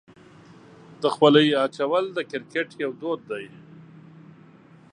د خولۍ اچول د کرکټ یو دود دی.